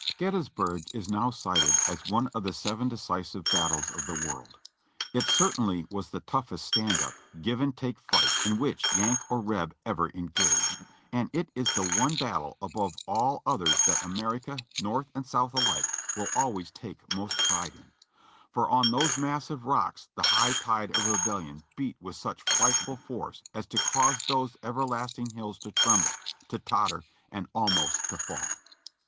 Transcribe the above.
Gettysburg is now cited as one of the seven decisive battles of the world. It certainly was the toughest stand up, give and take fight in which Yank or Reb ever engaged, and it is the one battle above all others that America, North and South alike, will always take most pride in ; for on those massive rocks the high tide of Rebellion beat with such frightful force as to cause those everlasting hills to tremble, to totter and almost to fall.